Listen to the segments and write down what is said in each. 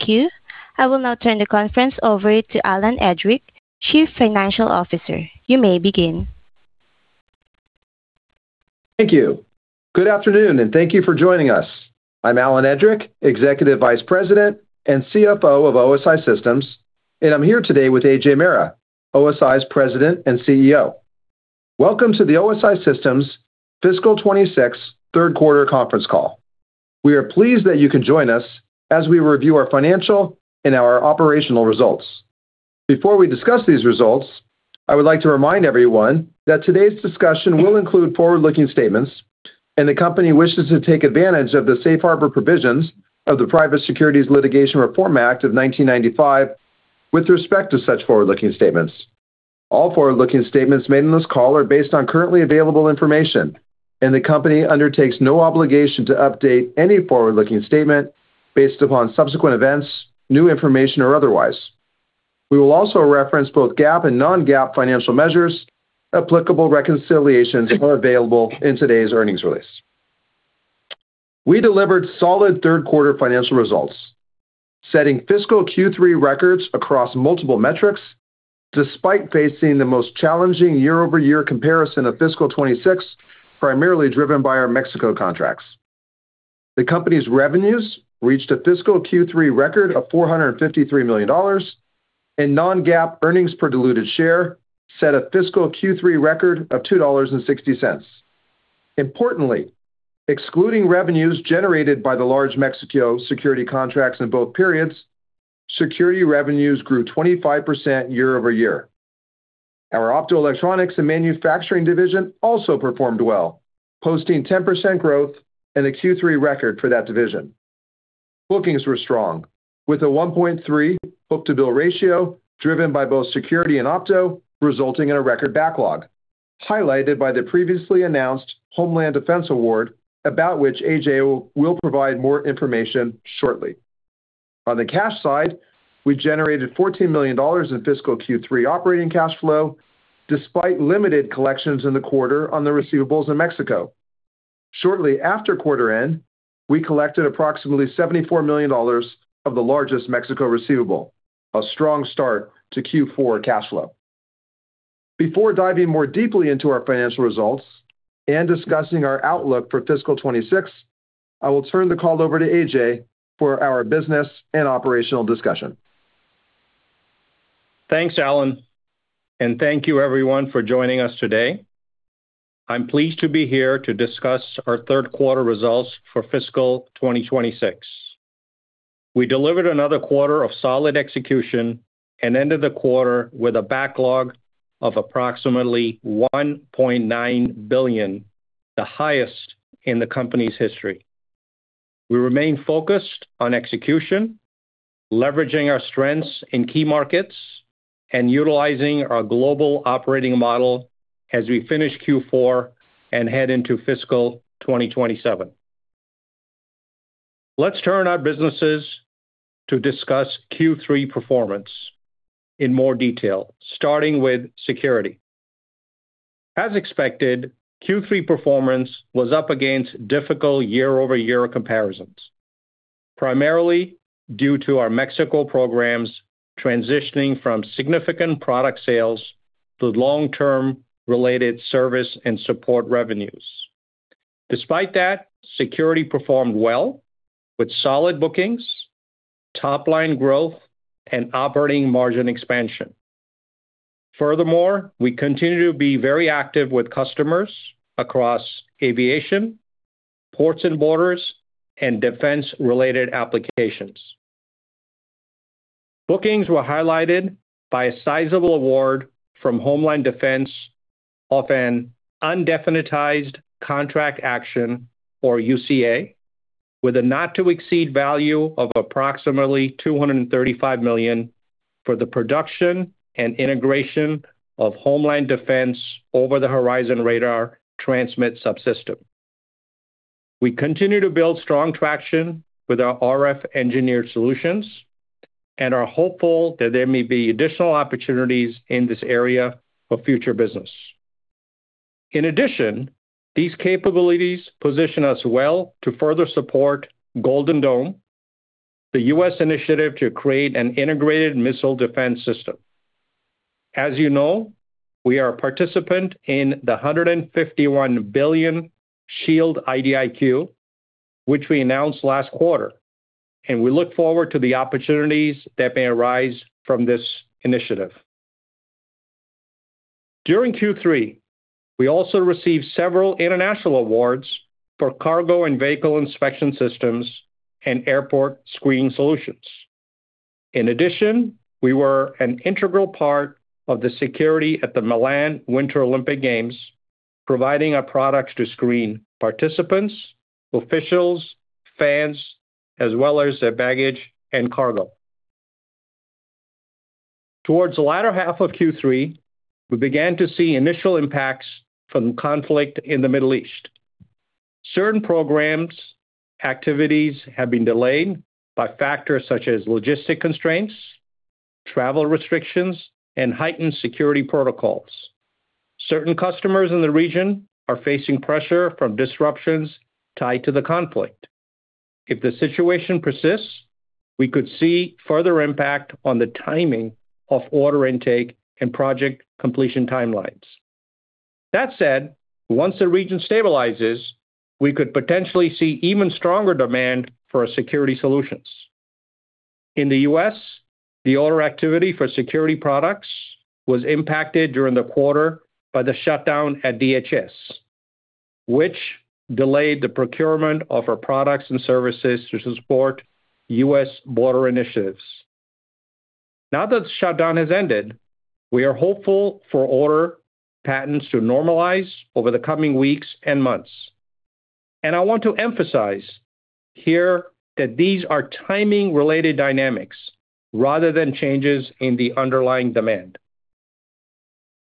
Thank you. I will now turn the conference over to Alan Edrick, Chief Financial Officer. You may begin. Thank you. Good afternoon, thank you for joining us. I'm Alan Edrick, Executive Vice President and CFO of OSI Systems, and I'm here today with Ajay Mehra, OSI's President and CEO. Welcome to the OSI Systems' Fiscal 2026 third quarter conference call. We are pleased that you can join us as we review our financial and our operational results. Before we discuss these results, I would like to remind everyone that today's discussion will include forward-looking statements, and the company wishes to take advantage of the safe harbor provisions of the Private Securities Litigation Reform Act of 1995 with respect to such forward-looking statements. All forward-looking statements made in this call are based on currently available information, and the company undertakes no obligation to update any forward-looking statement based upon subsequent events, new information, or otherwise. We will also reference both GAAP and non-GAAP financial measures applicable reconciliations are available in today's earnings release. We delivered solid third quarter financial results, setting fiscal Q3 records across multiple metrics despite facing the most challenging year-over-year comparison of fiscal 2026, primarily driven by our Mexico contracts. The company's revenues reached a fiscal Q3 record of $453 million and non-GAAP earnings per diluted share set a fiscal Q3 record of $2.60. Importantly, excluding revenues generated by the large Mexico security contracts in both periods, security revenues grew 25% year-over-year. Our Optoelectronics and Manufacturing division also performed well, posting 10% growth and a Q3 record for that division. Bookings were strong, with a 1.3 book-to-bill ratio driven by both security and opto resulting in a record backlog, highlighted by the previously announced Homeland Defense award about which Ajay will provide more information shortly. On the cash side, we generated $14 million in fiscal Q3 operating cash flow despite limited collections in the quarter on the receivables in Mexico. Shortly after quarter end, we collected approximately $74 million of the largest Mexico receivable, a strong start to Q4 cash flow. Before diving more deeply into our financial results and discussing our outlook for fiscal 2026, I will turn the call over to Ajay for our business and operational discussion. Thanks, Alan, and thank you everyone for joining us today. I'm pleased to be here to discuss our third quarter results for fiscal 2026. We delivered another quarter of solid execution and ended the quarter with a backlog of approximately $1.9 billion, the highest in the company's history. We remain focused on execution, leveraging our strengths in key markets, and utilizing our global operating model as we finish Q4 and head into fiscal 2027. Let's turn to our businesses to discuss Q3 performance in more detail, starting with security. As expected, Q3 performance was up against difficult year-over-year comparisons, primarily due to our Mexico programs transitioning from significant product sales to long-term related service and support revenues. Despite that, security performed well with solid bookings, top-line growth, and operating margin expansion. We continue to be very active with customers across aviation, ports and borders, and defense-related applications. Bookings were highlighted by a sizable award from Homeland Defense of an Undefinitized Contract Action, or UCA, with a not-to-exceed value of approximately $235 million for the production and integration of Homeland Defense Over-the-Horizon Radar Transmit Subsystem. We continue to build strong traction with our RF-engineered solutions and are hopeful that there may be additional opportunities in this area for future business. These capabilities position us well to further support Golden Dome, the U.S. initiative to create an integrated missile defense system. As you know, we are a participant in the $151 billion SHIELD IDIQ, which we announced last quarter, and we look forward to the opportunities that may arise from this initiative. During Q3, we also received several international awards for cargo and vehicle inspection systems and airport screening solutions. In addition, we were an integral part of the security at the Milan Winter Olympic Games, providing our products to screen participants, officials, fans, as well as their baggage and cargo. Towards the latter half of Q3, we began to see initial impacts from conflict in the Middle East. Certain programs' activities have been delayed by factors such as logistic constraints, travel restrictions and heightened security protocols. Certain customers in the region are facing pressure from disruptions tied to the conflict. If the situation persists, we could see further impact on the timing of order intake and project completion timelines. That said, once the region stabilizes, we could potentially see even stronger demand for our security solutions. In the U.S., the order activity for security products was impacted during the quarter by the shutdown at DHS, which delayed the procurement of our products and services to support U.S. border initiatives. Now that the shutdown has ended, we are hopeful for order patterns to normalize over the coming weeks and months. I want to emphasize here that these are timing-related dynamics rather than changes in the underlying demand.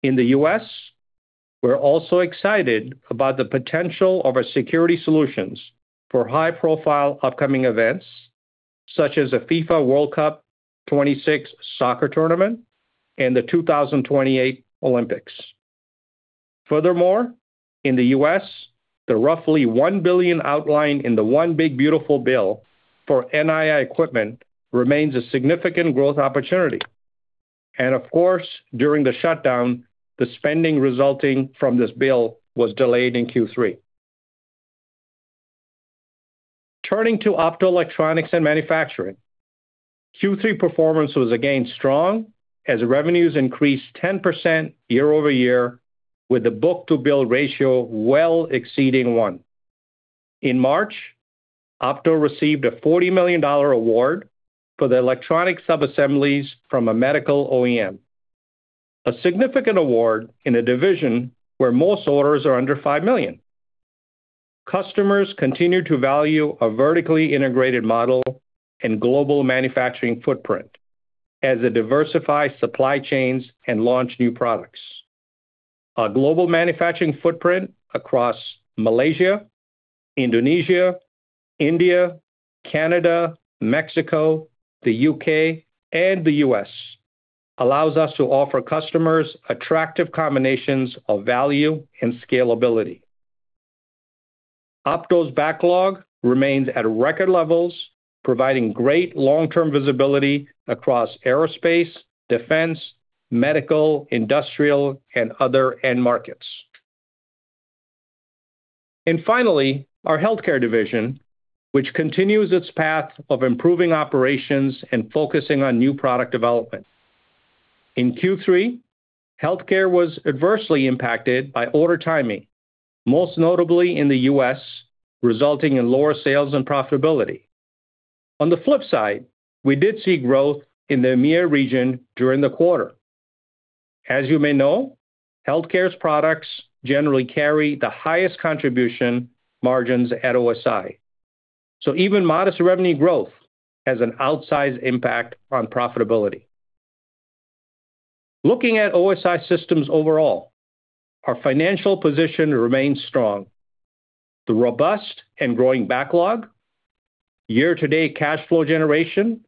In the U.S., we're also excited about the potential of our security solutions for high-profile upcoming events, such as the FIFA World Cup 2026 soccer tournament and the 2028 Olympics. Furthermore, in the U.S., the roughly $1 billion outlined in the One Big Beautiful Bill for NII equipment remains a significant growth opportunity. Of course, during the shutdown, the spending resulting from this bill was delayed in Q3. Turning to Optoelectronics and Manufacturing, Q3 performance was again strong as revenues increased 10% year-over-year with the book-to-bill ratio well exceeding 1. In March, Opto received a $40 million award for the electronic subassemblies from a medical OEM, a significant award in a division where most orders are under $5 million. Customers continue to value a vertically integrated model and global manufacturing footprint as they diversify supply chains and launch new products. Our global manufacturing footprint across Malaysia, Indonesia, India, Canada, Mexico, the U.K., and the U.S. allows us to offer customers attractive combinations of value and scalability. Opto's backlog remains at record levels, providing great long-term visibility across aerospace, defense, medical, industrial, and other end markets. Finally, our Healthcare division, which continues its path of improving operations and focusing on new product development. In Q3, Healthcare was adversely impacted by order timing, most notably in the U.S., resulting in lower sales and profitability. On the flip side, we did see growth in the EMEA region during the quarter. As you may know, Healthcare's products generally carry the highest contribution margins at OSI, so even modest revenue growth has an outsized impact on profitability. Looking at OSI Systems overall, our financial position remains strong. The robust and growing backlog, year-to-date cash flow generation,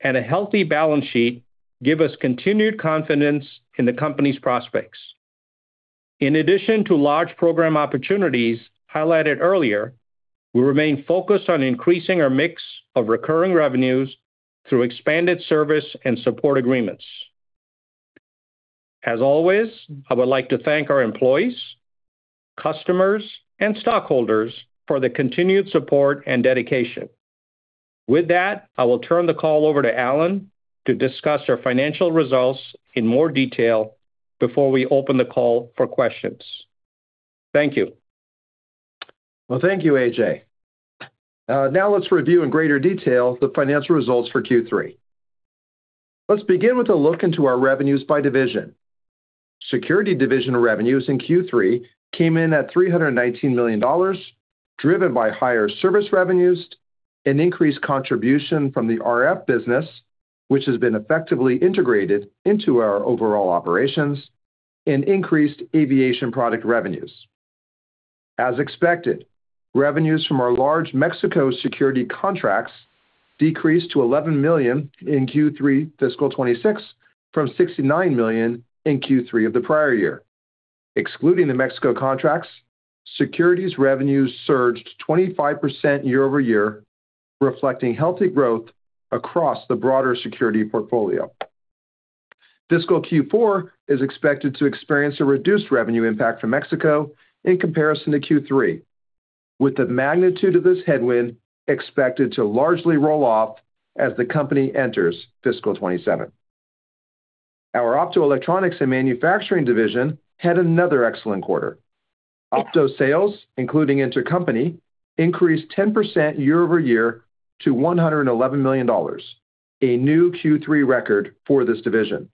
and a healthy balance sheet give us continued confidence in the company's prospects. In addition to large program opportunities highlighted earlier, we remain focused on increasing our mix of recurring revenues through expanded service and support agreements. As always, I would like to thank our employees, customers, and stockholders for their continued support and dedication. With that, I will turn the call over to Alan to discuss our financial results in more detail before we open the call for questions. Thank you. Well, thank you, Ajay. Now let's review in greater detail the financial results for Q3. Let's begin with a look into our revenues by division. Security division revenues in Q3 came in at $319 million, driven by higher service revenues, an increased contribution from the RF business, which has been effectively integrated into our overall operations, and increased aviation product revenues. As expected, revenues from our large Mexico security contracts decreased to $11 million in Q3 fiscal 2026 from $69 million in Q3 of the prior year. Excluding the Mexico contracts, Security revenues surged 25% year-over-year, reflecting healthy growth across the broader security portfolio. Fiscal Q4 is expected to experience a reduced revenue impact from Mexico in comparison to Q3, with the magnitude of this headwind expected to largely roll off as the company enters fiscal 2027. Our Optoelectronics and Manufacturing division had another excellent quarter. Opto sales, including intercompany, increased 10% year-over-year to $111 million, a new Q3 record for this division.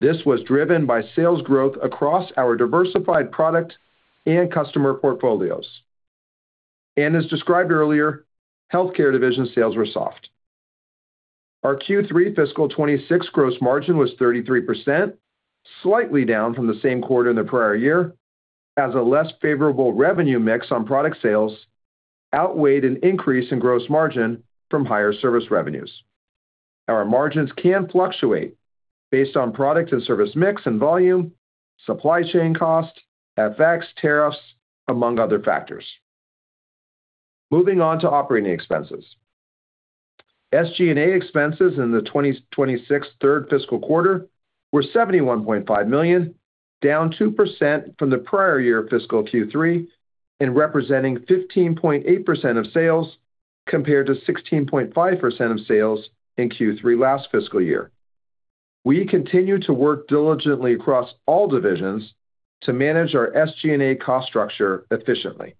This was driven by sales growth across our diversified products and customer portfolios. As described earlier, Healthcare division sales were soft. Our Q3 fiscal 2026 gross margin was 33%, slightly down from the same quarter in the prior year as a less favorable revenue mix on product sales outweighed an increase in gross margin from higher service revenues. Our margins can fluctuate based on product and service mix and volume, supply chain costs, FX, tariffs, among other factors. Moving on to operating expenses. SG&A expenses in the 2026 third fiscal quarter were $71.5 million, down 2% from the prior year fiscal Q3, and representing 15.8% of sales, compared to 16.5% of sales in Q3 last fiscal year. We continue to work diligently across all divisions to manage our SG&A cost structure efficiently.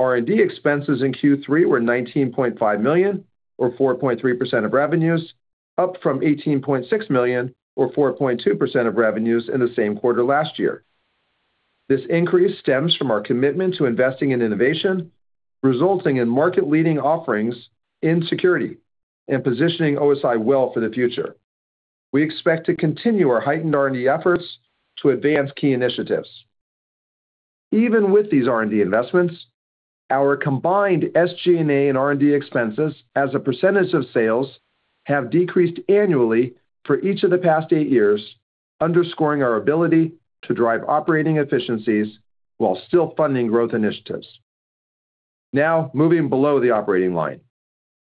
R&D expenses in Q3 were $19.5 million, or 4.3% of revenues, up from $18.6 million, or 4.2% of revenues in the same quarter last year. This increase stems from our commitment to investing in innovation, resulting in market-leading offerings in security and positioning OSI well for the future. We expect to continue our heightened R&D efforts to advance key initiatives. Even with these R&D investments, our combined SG&A and R&D expenses as a percentage of sales have decreased annually for each of the past eight years, underscoring our ability to drive operating efficiencies while still funding growth initiatives. Now, moving below the operating line.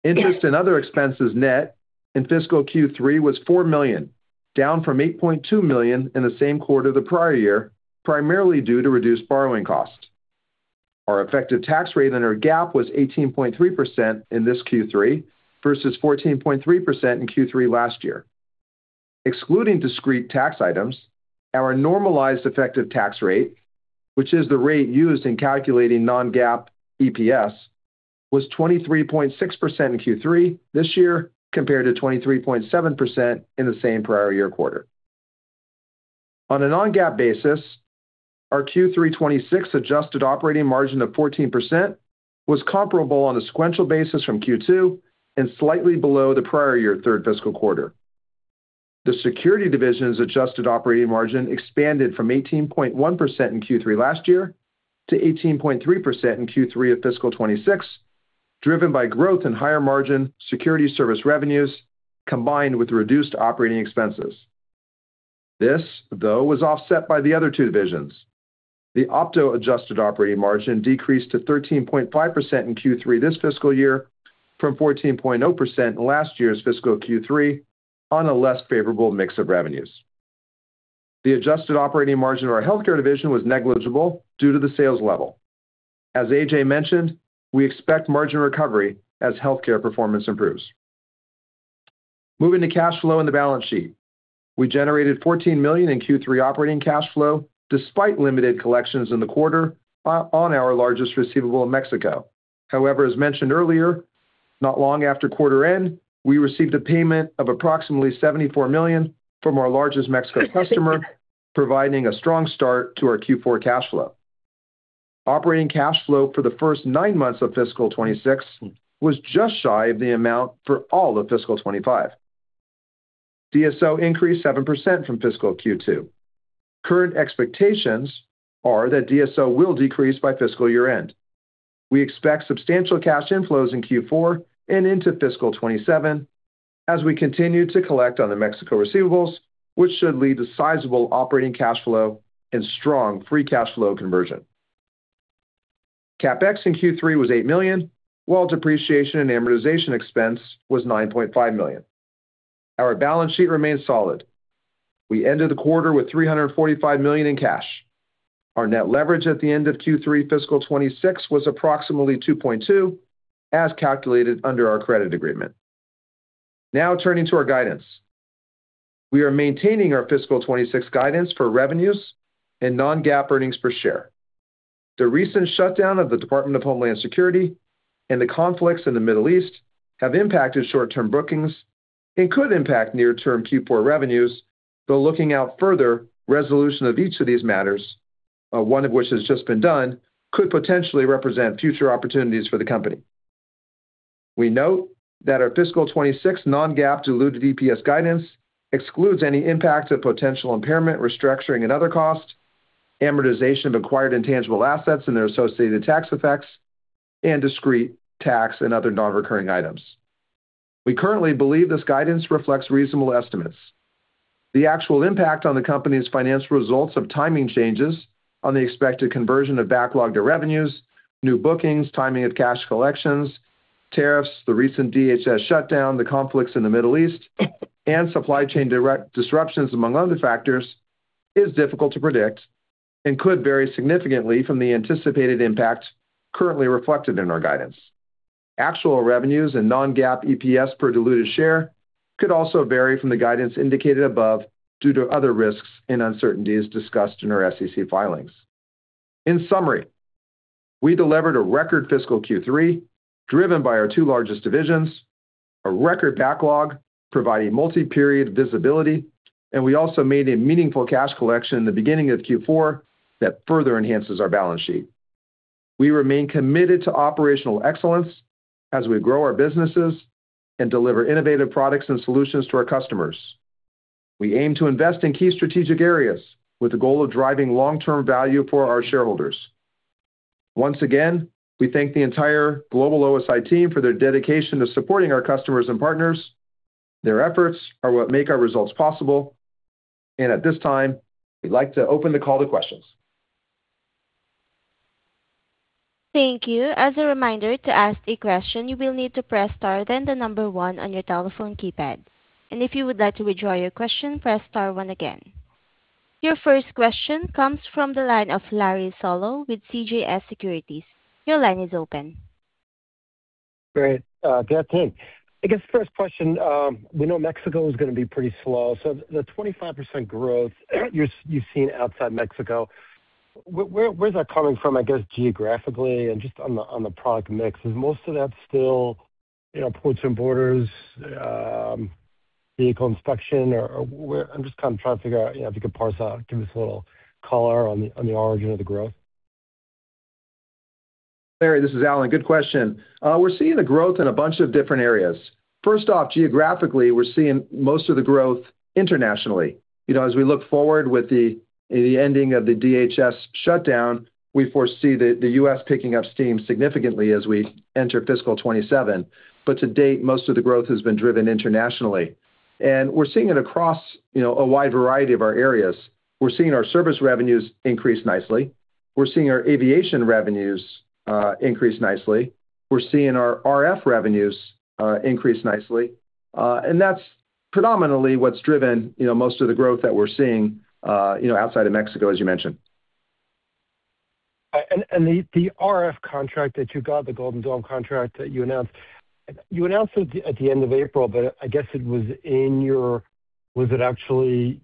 Interest and other expenses net in fiscal Q3 was $4 million, down from $8.2 million in the same quarter the prior year, primarily due to reduced borrowing costs. Our effective tax rate under GAAP was 18.3% in this Q3 versus 14.3% in Q3 last year. Excluding discrete tax items, our normalized effective tax rate, which is the rate used in calculating non-GAAP EPS, was 23.6% in Q3 this year compared to 23.7% in the same prior year quarter. On a non-GAAP basis, our Q3 2026 adjusted operating margin of 14% was comparable on a sequential basis from Q2 and slightly below the prior year third fiscal quarter. The Security Division's adjusted operating margin expanded from 18.1% in Q3 last year to 18.3% in Q3 of fiscal 2026, driven by growth in higher margin security service revenues combined with reduced operating expenses. This, though, was offset by the other two divisions. The Opto adjusted operating margin decreased to 13.5% in Q3 this fiscal year from 14.0% in last year's fiscal Q3 on a less favorable mix of revenues. The adjusted operating margin of our Healthcare Division was negligible due to the sales level. As Ajay Mehra mentioned, we expect margin recovery as Healthcare performance improves. Moving to cash flow and the balance sheet. We generated $14 million in Q3 operating cash flow despite limited collections in the quarter on our largest receivable in Mexico. As mentioned earlier, not long after quarter end, we received a payment of approximately $74 million from our largest Mexico customer providing a strong start to our Q4 cash flow. Operating cash flow for the first nine months of fiscal 2026 was just shy of the amount for all of fiscal 2025. DSO increased 7% from fiscal Q2. Current expectations are that DSO will decrease by fiscal year-end. We expect substantial cash inflows in Q4 and into fiscal 2027 as we continue to collect on the Mexico receivables, which should lead to sizable operating cash flow and strong free cash flow conversion. CapEx in Q3 was $8 million, while depreciation and amortization expense was $9.5 million. Our balance sheet remains solid. We ended the quarter with $345 million in cash. Our net leverage at the end of Q3 fiscal 2026 was approximately 2.2, as calculated under our credit agreement. Turning to our guidance. We are maintaining our fiscal 2026 guidance for revenues and non-GAAP earnings per share. The recent shutdown of the Department of Homeland Security and the conflicts in the Middle East have impacted short-term bookings and could impact near-term Q4 revenues, though looking out further, resolution of each of these matters, one of which has just been done, could potentially represent future opportunities for the company. We note that our fiscal 2026 non-GAAP diluted EPS guidance excludes any impact of potential impairment, restructuring and other costs, amortization of acquired intangible assets and their associated tax effects, and discrete tax and other non-recurring items. We currently believe this guidance reflects reasonable estimates. The actual impact on the company's financial results of timing changes on the expected conversion of backlog to revenues, new bookings, timing of cash collections, tariffs, the recent DHS shutdown, the conflicts in the Middle East, and supply chain disruptions among other factors, is difficult to predict and could vary significantly from the anticipated impact currently reflected in our guidance. Actual revenues and non-GAAP EPS per diluted share could also vary from the guidance indicated above due to other risks and uncertainties discussed in our SEC filings. In summary, we delivered a record fiscal Q3 driven by our two largest divisions, a record backlog providing multi-period visibility, and we also made a meaningful cash collection in the beginning of Q4 that further enhances our balance sheet. We remain committed to operational excellence as we grow our businesses and deliver innovative products and solutions to our customers. We aim to invest in key strategic areas with the goal of driving long-term value for our shareholders. Once again, we thank the entire global OSI team for their dedication to supporting our customers and partners. Their efforts are what make our results possible. At this time, we'd like to open the call to questions. Thank you. As a reminder, to ask a question, you will need to press star, then the number one on your telephone keypad. If you would like to withdraw your question, press star one again. Your first question comes from the line of Larry Solow with CJS Securities. Your line is open. Great. Good afternoon. I guess the first question, we know Mexico is going to be pretty slow, the 25% growth you've seen outside Mexico, where's that coming from, I guess geographically and just on the product mix? Is most of that still, you know, ports and borders, vehicle inspection or where? I'm just kind of trying to figure out, you know, if you could parse out, give us a little color on the origin of the growth. Larry, this is Alan. Good question. We're seeing a growth in a bunch of different areas. First off, geographically, we're seeing most of the growth internationally. You know, as we look forward with the ending of the DHS shutdown, we foresee the U.S. picking up steam significantly as we enter fiscal 2027. But to date, most of the growth has been driven internationally. And we're seeing it across, you know, a wide variety of our areas. We're seeing our service revenues increase nicely. We're seeing our aviation revenues, increase nicely. We're seeing our RF revenues, increase nicely. And that's predominantly what's driven, you know, most of the growth that we're seeing, you know, outside of Mexico, as you mentioned. And the RF contract that you got, the Golden Dome contract that you announced, you announced it at the end of April, I guess it was in your. Was it actually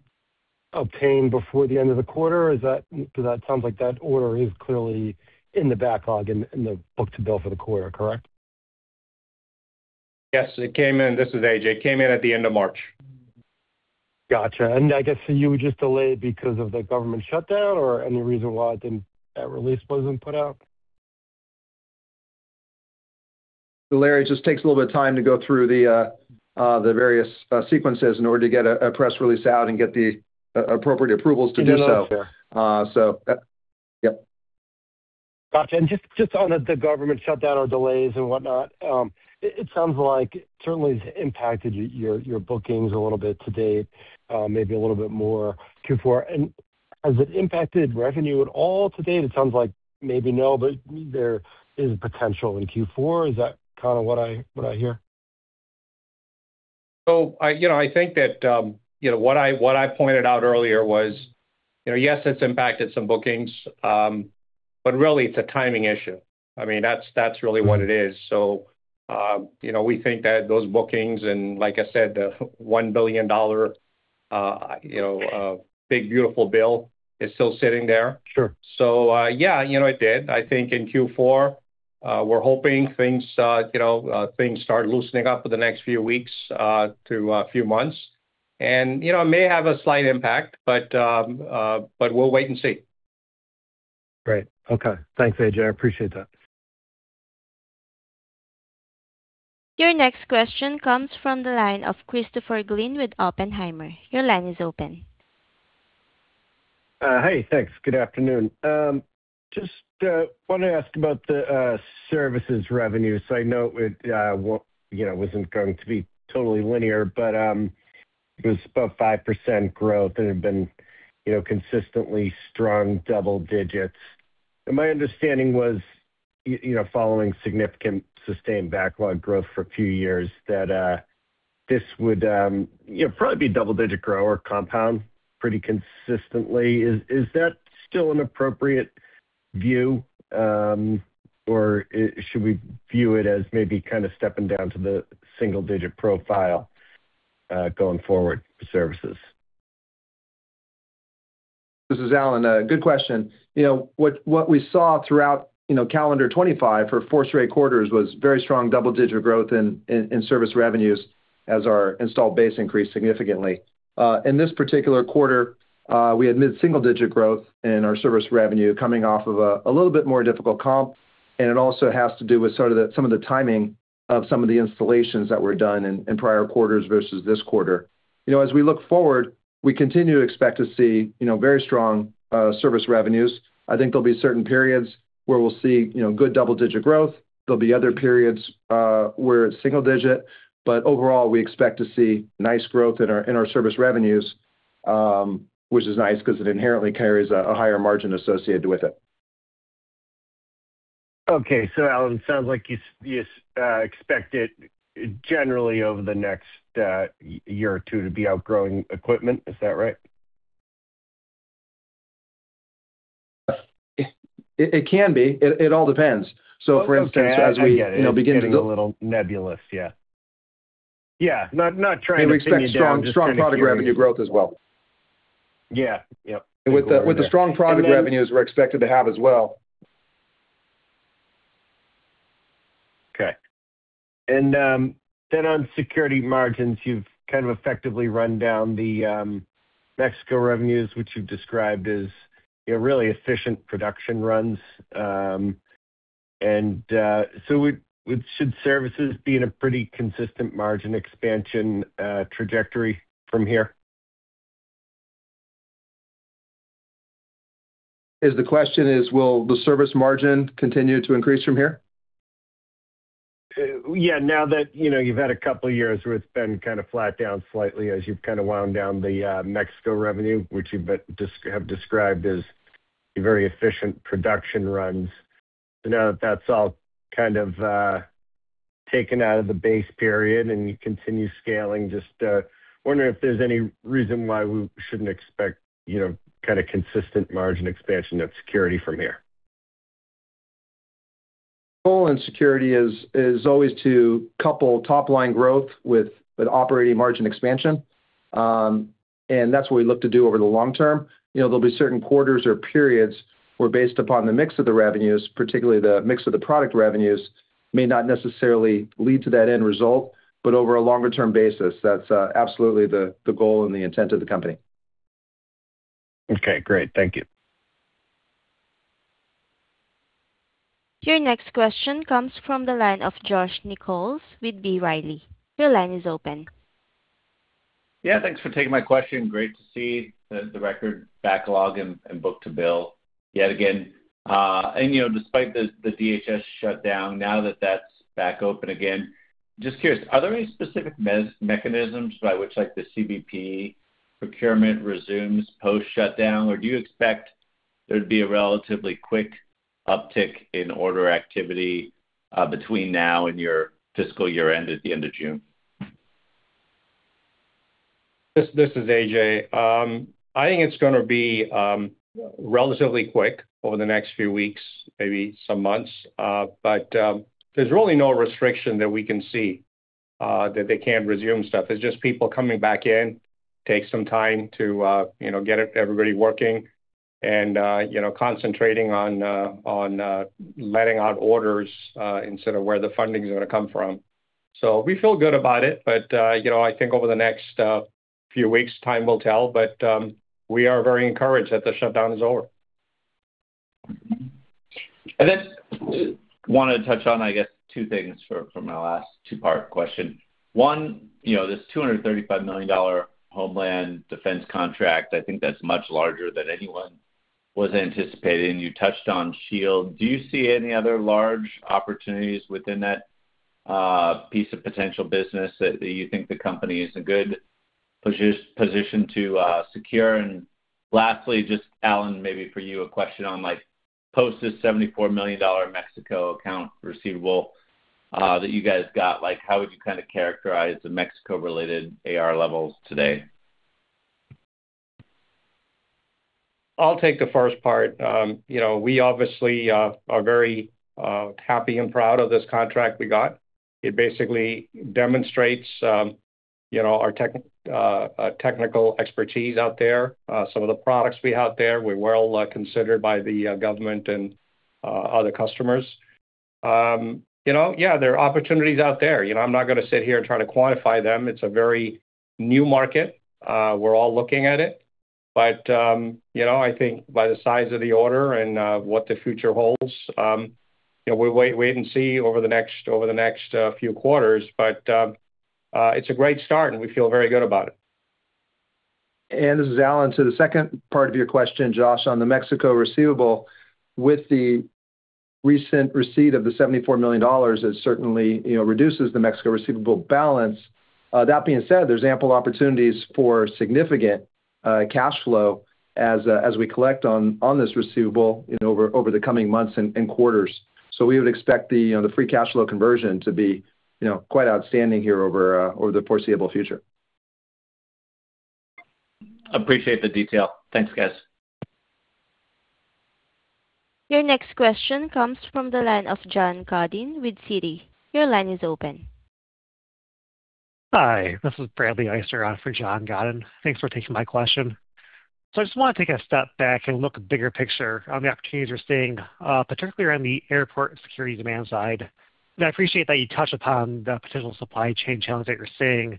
obtained before the end of the quarter? Cause that sounds like that order is clearly in the backlog in the book-to-bill for the quarter, correct? Yes, it came in. This is Ajay It came in at the end of March. Gotcha. I guess you were just delayed because of the government shutdown or any reason why that release wasn't put out? Larry, it just takes a little bit of time to go through the various sequences in order to get a press release out and get the appropriate approvals to do so. Understood. Fair. Yep. Gotcha. Just on the government shutdown or delays and whatnot, it sounds like certainly it's impacted your bookings a little bit to date, maybe a little bit more Q4. Has it impacted revenue at all to date? It sounds like maybe no, but there is potential in Q4. Is that kind of what I hear? I, you know, I think that, you know, what I, what I pointed out earlier was, you know, yes, it's impacted some bookings, but really, it's a timing issue. I mean, that's really what it is. You know, we think that those bookings and like I said, the $1 billion, you know, Big Beautiful Bill is still sitting there. Sure. Yeah, you know, it did. I think in Q4, we're hoping things, you know, things start loosening up for the next few weeks, to a few months. You know, it may have a slight impact, but we'll wait and see. Great. Okay. Thanks, Ajay. I appreciate that. Your next question comes from the line of Christopher Glynn with Oppenheimer. Your line is open. Hey, thanks. Good afternoon. Just wanna ask about the services revenue. I know it wasn't going to be totally linear, but it was about 5% growth and had been consistently strong double digits. My understanding was, following significant sustained backlog growth for a few years, that this would probably be double-digit growth or compound pretty consistently. Is that still an appropriate view, or should we view it as maybe kind of stepping down to the single-digit profile going forward for services? This is Alan. Good question. What we saw throughout calendar 2025 for four straight quarters was very strong double-digit growth in service revenues as our installed base increased significantly. In this particular quarter, we had mid-single digit growth in our service revenue coming off of a little bit more difficult comp. It also has to do with sort of the timing of some of the installations that were done in prior quarters versus this quarter. As we look forward, we continue to expect to see very strong service revenues. I think there'll be certain periods where we'll see good double-digit growth. There'll be other periods where it's single digit. Overall, we expect to see nice growth in our service revenues, which is nice 'cause it inherently carries a higher margin associated with it. Okay. Alan, sounds like you expect it generally over the next year or two to be outgrowing equipment. Is that right? It can be. It all depends. Okay. I get it. As we, you know, begin to. It's getting a little nebulous. Yeah. Yeah. Not trying to pin you down. We expect. Just trying to hear you. Strong product revenue growth as well. Yeah. Yep. With the strong product revenues we're expected to have as well. Okay. On security margins, you've kind of effectively run down the Mexico revenues, which you've described as, you know, really efficient production runs. Should services be in a pretty consistent margin expansion trajectory from here? The question is will the service margin continue to increase from here? Yeah, now that, you know, you've had two years where it's been kind of flat down slightly as you've kind of wound down the Mexico revenue, which you've described as very efficient production runs. Now that that's all kind of taken out of the base period and you continue scaling, just wondering if there's any reason why we shouldn't expect, you know, kind of consistent margin expansion of Security from here. Goal in Security is always to couple top-line growth with an operating margin expansion. That's what we look to do over the long term. You know, there'll be certain quarters or periods where based upon the mix of the revenues, particularly the mix of the product revenues, may not necessarily lead to that end result. Over a longer-term basis, that's absolutely the goal and the intent of the company. Okay, great. Thank you. Your next question comes from the line of Josh Nichols with B. Riley. Your line is open. Yeah, thanks for taking my question. Great to see the record backlog and book-to-bill yet again. You know, despite the DHS shutdown, now that that's back open again, just curious, are there any specific mechanisms by which, like, the CBP procurement resumes post-shutdown? Do you expect there to be a relatively quick uptick in order activity between now and your fiscal year-end at the end of June? This is Ajay. I think it's gonna be relatively quick over the next few weeks, maybe some months. There's really no restriction that we can see that they can't resume stuff. It's just people coming back in, take some time to, you know, get everybody working and, you know, concentrating on letting out orders and sort of where the funding's gonna come from. We feel good about it, you know, I think over the next few weeks, time will tell. We are very encouraged that the shutdown is over. Wanted to touch on, two things for my last two-part question. One, this $235 million Homeland Defense contract, I think that's much larger than anyone was anticipating. You touched on SHIELD. Do you see any other large opportunities within that piece of potential business that you think the company is in good position to secure? Lastly, Alan, a question on post the $74 million Mexico account receivable that you guys got. How would you characterize the Mexico-related AR levels today? I'll take the first part. You know, we obviously are very happy and proud of this contract we got. It basically demonstrates, you know, our technical expertise out there. Some of the products we have there, we're well considered by the government and other customers. You know, yeah, there are opportunities out there. You know, I'm not gonna sit here and try to quantify them. It's a very new market. We're all looking at it. You know, I think by the size of the order and what the future holds, you know, we'll wait and see over the next, over the next few quarters. It's a great start, and we feel very good about it. This is Alan. To the second part of your question, Josh, on the Mexico receivable. With the recent receipt of the $74 million, it certainly, you know, reduces the Mexico receivable balance. That being said, there's ample opportunities for significant cash flow as we collect on this receivable, you know, over the coming months and quarters. We would expect the, you know, the free cash flow conversion to be, you know, quite outstanding here over the foreseeable future. Appreciate the detail. Thanks, guys. Your next question comes from the line of John Godin with Citi. Your line is open. Hi, this is Bradley Eyster on for John Godin. Thanks for taking my question. I just wanna take a step back and look bigger picture on the opportunities you're seeing, particularly around the airport security demand side. I appreciate that you touched upon the potential supply chain challenge that you're seeing,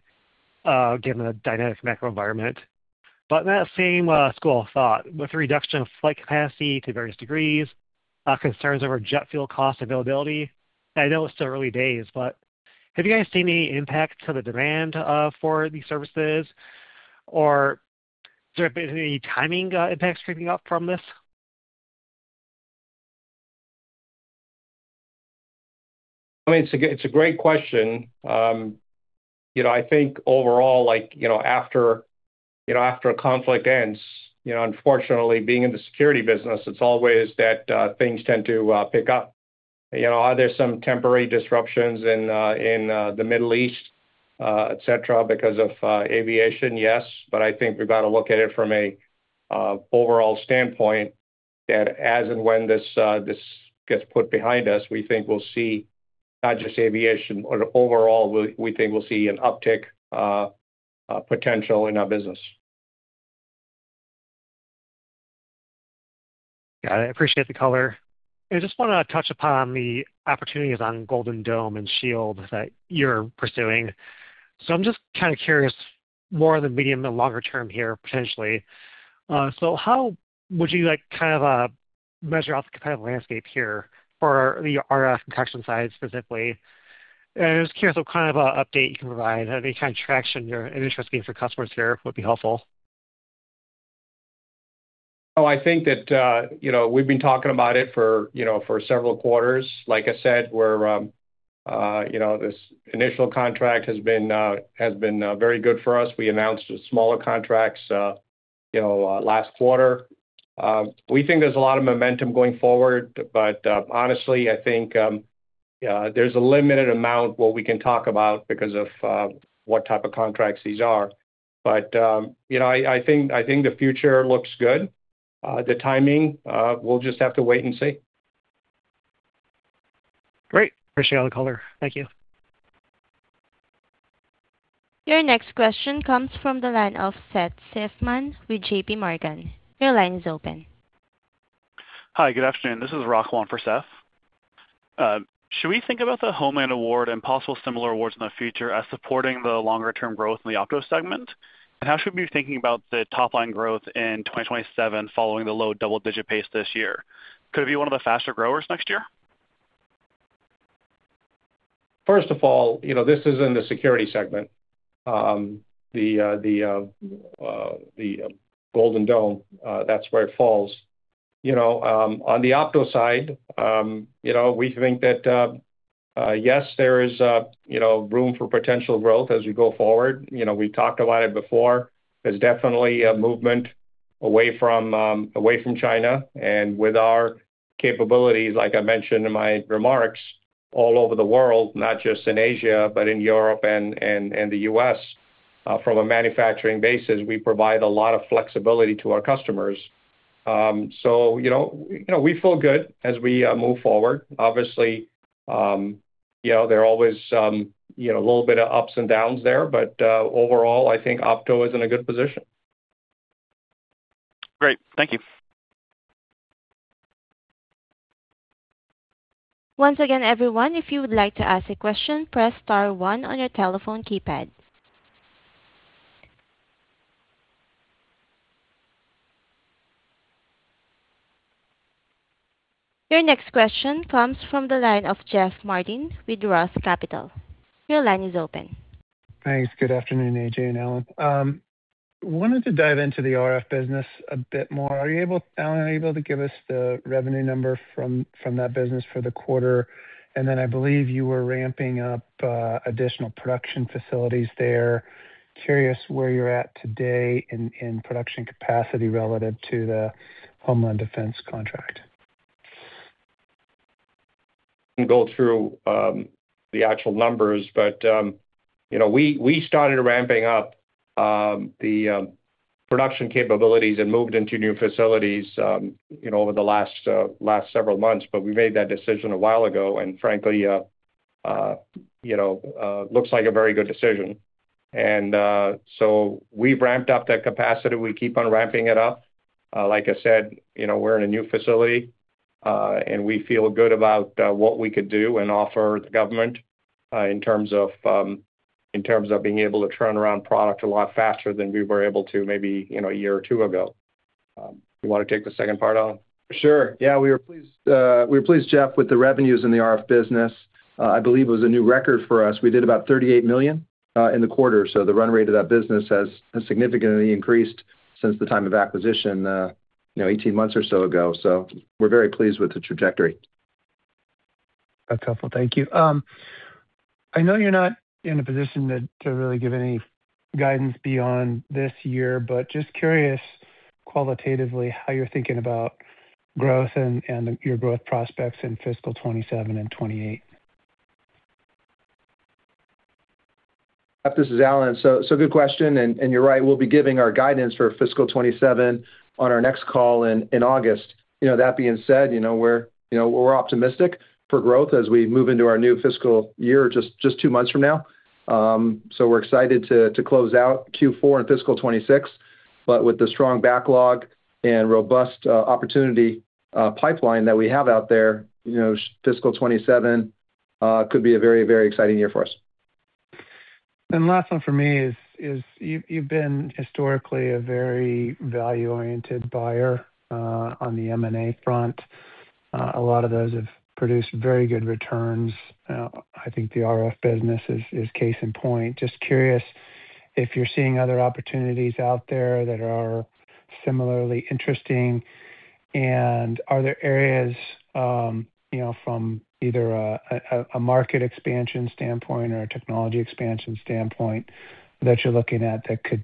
given the dynamic macro environment. In that same school of thought, with the reduction of flight capacity to various degrees, concerns over jet fuel cost availability, and I know it's still early days, but have you guys seen any impact to the demand for these services? Has there been any timing impacts creeping up from this? I mean, it's a great question. You know, I think overall, like, you know, after, you know, after a conflict ends, you know, unfortunately, being in the security business, it's always that things tend to pick up. You know, are there some temporary disruptions in in the Middle East, et cetera, because of aviation? Yes. I think we've got to look at it from a overall standpoint that as and when this gets put behind us, we think we'll see not just aviation or overall, we think we'll see an uptick potential in our business. Got it. Appreciate the color. I just wanna touch upon the opportunities on Golden Dome and Shield that you're pursuing. I'm just kinda curious, more in the medium and longer term here, potentially, how would you, like, kind of, measure out the kind of landscape here for the RF contraction side specifically? I'm just curious what kind of a update you can provide, any kind of traction or interest being for customers here would be helpful. Oh, I think that, you know, we've been talking about it for, you know, for several quarters. Like I said, we're, you know, this initial contract has been very good for us. We announced smaller contracts, you know, last quarter. We think there's a lot of momentum going forward, but, honestly, I think, there's a limited amount what we can talk about because of, what type of contracts these are. You know, I think the future looks good. The timing, we'll just have to wait and see. Great. Appreciate all the color. Thank you. Your next question comes from the line of Seth Seifman with JPMorgan. Your line is open. Hi, good afternoon. This is Rocco on for Seth. Should we think about the Homeland award and possible similar awards in the future as supporting the longer term growth in the Opto segment? How should we be thinking about the top line growth in 2027 following the low double-digit pace this year? Could it be one of the faster growers next year? First of all, you know, this is in the Security division. The Golden Dome, that's where it falls. You know, on the Opto side, you know, we think that, yes, there is, you know, room for potential growth as we go forward. You know, we talked about it before. There's definitely a movement away from, away from China. With our capabilities, like I mentioned in my remarks, all over the world, not just in Asia, but in Europe and, and the U.S., from a manufacturing basis, we provide a lot of flexibility to our customers. You know, you know, we feel good as we move forward. Obviously, you know, there are always, you know, a little bit of ups and downs there, but overall, I think Opto is in a good position. Great. Thank you. Once again, everyone, if you would like to ask a question, press star one on your telephone keypad. Your next question comes from the line of Jeff Martin with ROTH Capital. Your line is open. Thanks. Good afternoon, Ajay and Alan. Wanted to dive into the RF business a bit more. Are you able, Alan, to give us the revenue number from that business for the quarter? I believe you were ramping up additional production facilities there. Curious where you're at today in production capacity relative to the Homeland Defense contract. Go through the actual numbers, but, you know, we started ramping up the production capabilities and moved into new facilities, you know, over the last several months. We made that decision a while ago, and frankly, you know, looks like a very good decision. We've ramped up that capacity. We keep on ramping it up. Like I said, you know, we're in a new facility, and we feel good about what we could do and offer the government in terms of being able to turn around product a lot faster than we were able to maybe, you know, one year or two ago. You wanna take the second part, Alan? Sure. Yeah, we were pleased, we were pleased, Jeff, with the revenues in the RF business. I believe it was a new record for us. We did about $38 million in the quarter, so the run rate of that business has significantly increased since the time of acquisition, you know, 18 months or so ago. We're very pleased with the trajectory. That's helpful. Thank you. I know you're not in a position to really give any guidance beyond this year, but just curious qualitatively how you're thinking about growth and your growth prospects in fiscal 2027 and 2028. This is Alan. Good question. You're right, we'll be giving our guidance for fiscal 2027 on our next call in August. You know, that being said, we're optimistic for growth as we move into our new fiscal year just two months from now. We're excited to close out Q4 in fiscal 2026. With the strong backlog and robust opportunity pipeline that we have out there, fiscal 2027 could be a very exciting year for us. Last one for me is, you've been historically a very value-oriented buyer on the M&A front. A lot of those have produced very good returns. I think the RF business is case in point. Just curious if you're seeing other opportunities out there that are similarly interesting, and are there areas, you know, from either a market expansion standpoint or a technology expansion standpoint that you're looking at that could,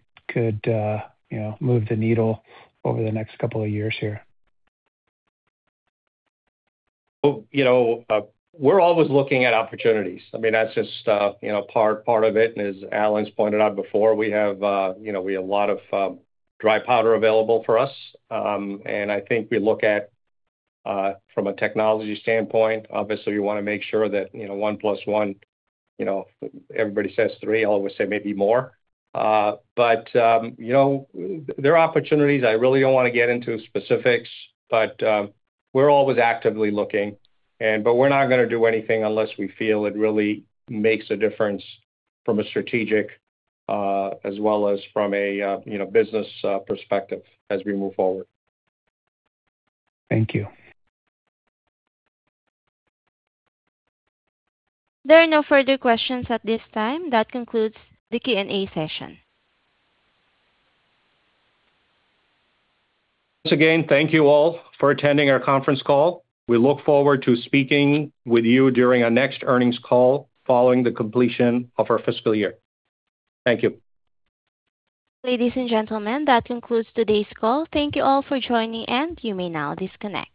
you know, move the needle over the next couple of years here? Well, you know, we're always looking at opportunities. I mean, that's just, you know, part of it. As Alan's pointed out before, we have, you know, we have a lot of dry powder available for us. I think we look at, from a technology standpoint, obviously, we wanna make sure that, you know, 1 + 1, you know, everybody says three. I'll always say maybe more. You know, there are opportunities. I really don't wanna get into specifics, but, we're always actively looking and but we're not gonna do anything unless we feel it really makes a difference from a strategic, as well as from a, you know, business, perspective as we move forward. Thank you. There are no further questions at this time. That concludes the Q&A session. Once again, thank you all for attending our conference call. We look forward to speaking with you during our next earnings call following the completion of our fiscal year. Thank you. Ladies and gentlemen, that concludes today's call. Thank you all for joining, and you may now disconnect.